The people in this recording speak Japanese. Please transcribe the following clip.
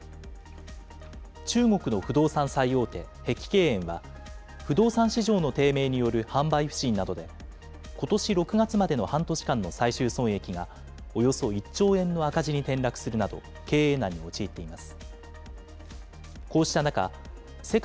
中国の不動産最大手、碧桂園は、不動産市場の低迷による販売不振などでことし６月までの最終損益がおよそ１兆円の赤字に転落するなど経営難に陥っています。